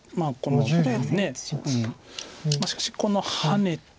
しかしこのハネて。